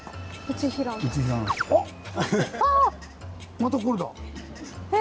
またこれだ。え？